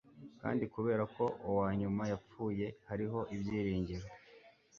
Kandi kubera ko uwanyuma yapfuye hariho ibyiringiro